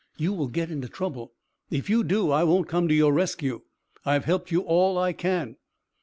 "You will get into trouble! If you do, I won't come to your rescue. I have helped you all I can."